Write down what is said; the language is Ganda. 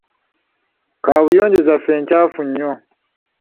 Kaabuyonjo zaffe nkyafu nnyo.